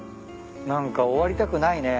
何か終わりたくないね。